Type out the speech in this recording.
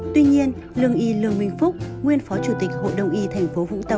tuy nhiên lương y lương minh phúc nguyên phó chủ tịch hội đồng y tp hcm